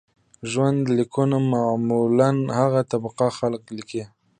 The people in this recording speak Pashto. ژوند لیکونه معمولاً هغه طبقه خلک لیکي.